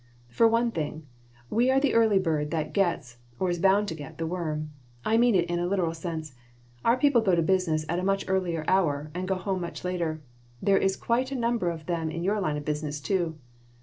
"For one thing, we are the early bird that gets, or is bound to get, the worm. I mean it in a literal sense. Our people go to business at a much earlier hour and go home much later. There is quite a number of them in your line of business, too."